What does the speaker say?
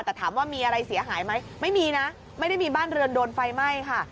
แต่ถามว่ามีอะไรเสียหายไหมไม่มีนะไม่ได้มีบ้านเรือนโดนไฟไหม้ค่ะ